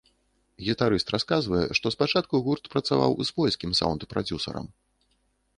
Гітарыст расказвае, што спачатку гурт працаваў з польскім саўнд-прадзюсарам.